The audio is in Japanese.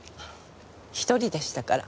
一人でしたから。